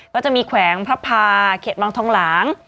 ก็จะมีแขวงพระพาเขตวังทองหลาง